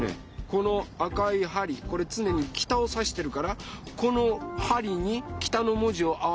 この赤いはりこれつねに北をさしてるからこのはりに北の文字を合わせます。